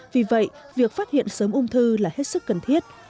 vì vậy việc phát hiện sớm ung thư là hết sức cần thiết